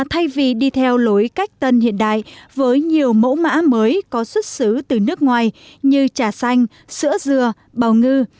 thay vì đi theo lối cách tân hiện đại với nhiều mẫu mã mới có xuất xứ từ nước ngoài như trà xanh sữa dừa bào ngư